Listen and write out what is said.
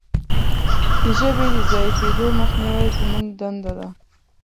د ژبې د ضعیفیدو مخنیوی زموږ دنده ده.